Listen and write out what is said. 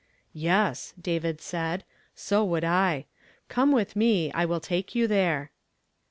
"•Yes," said David; "so would I. Come with me ; I will take you there."